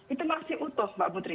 itu masih utuh mbak putri